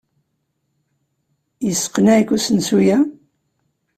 Yesseqneɛ-ik usensu-a?